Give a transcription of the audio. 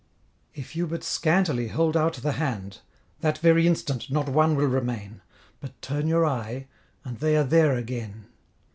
If you but scantily hold out the hand, That very instant not one will remain; But turn your eye, and they are there again.